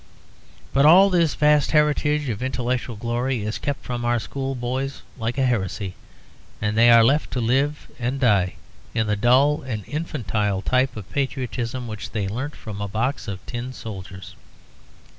But all this vast heritage of intellectual glory is kept from our schoolboys like a heresy; and they are left to live and die in the dull and infantile type of patriotism which they learnt from a box of tin soldiers.